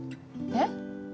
えっ？